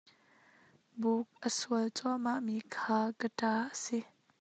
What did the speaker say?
Buk a sual cuahmah mi khi ka ṭa a si.